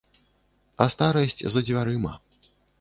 А старасць за дзвярыма.